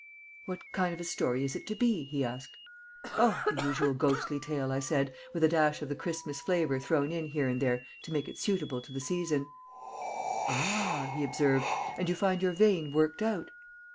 "What kind of a story is it to be?" he asked. "Oh, the usual ghostly tale," I said, "with a dash of the Christmas flavor thrown in here and there to make it suitable to the season." "Ah," he observed. "And you find your vein worked out?"